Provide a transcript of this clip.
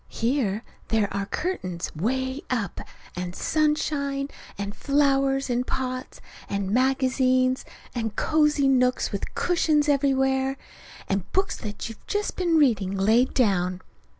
Here there are curtains 'way up and sunshine, and flowers in pots, and magazines, and cozy nooks with cushions everywhere; and books that you've just been reading laid down.